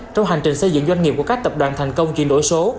trong hành trình xây dựng doanh nghiệp của các tập đoàn thành công chuyển đổi số